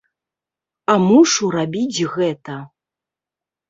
А мушу рабіць гэта.